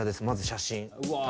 まず写真。